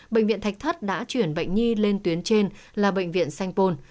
bệnh viện thạch thất đã chuyển bệnh nhi lên tuyến trên là bệnh viện sanh pôn